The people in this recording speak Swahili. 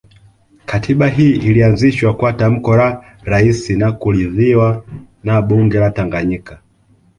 Katiba hii ilianzishwa kwa tamko la Rais na kuridhiwa na bunge la Tanganyika